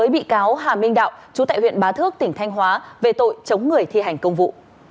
bị cáo hà minh đạo chú tại huyện bá thước tỉnh thanh hóa về tội chống người thi hành công vụ